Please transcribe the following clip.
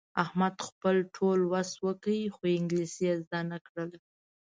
احمد خپل ټول وس وکړ، خو انګلیسي یې زده نه کړله.